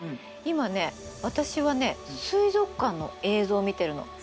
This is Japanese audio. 今ね私はね水族館の映像を見てるの。